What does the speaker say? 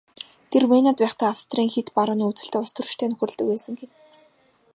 Тэр Венад байхдаа Австрийн хэт барууны үзэлтэй улстөрчтэй нөхөрлөдөг байсан гэнэ.